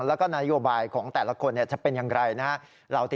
และก็นโยบายของแต่ละคนจะเป็นยังไง